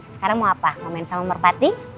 sekarang mau apa mau main sama merpati